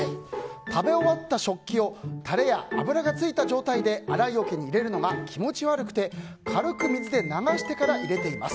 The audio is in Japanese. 食べ終わった食器をタレや油がついた状態で洗いおけに入れるのが気持ち悪くて軽く水で流してから入れています。